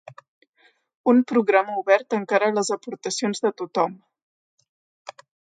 Un programa obert encara a les aportacions de tothom.